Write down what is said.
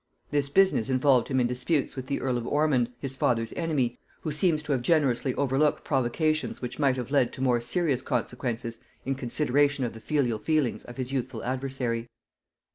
This business involved him in disputes with the earl of Ormond, his father's enemy, who seems to have generously overlooked provocations which might have led to more serious consequences, in consideration of the filial feelings of his youthful adversary.